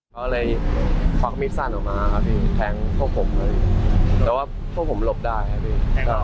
เขาเลยควักมีดสั้นออกมาครับพี่แทงพวกผมเลยแต่ว่าพวกผมหลบได้ครับพี่